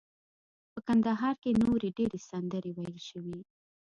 په کندهار کې نورې ډیرې سندرې ویل شوي.